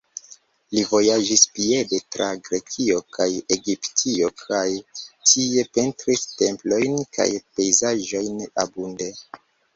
Li vojaĝis piede tra Grekio kaj Egiptio kaj tie pentris templojn kaj pejzaĝojn abunde.